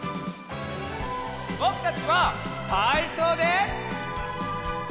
ぼくたちはたいそうで。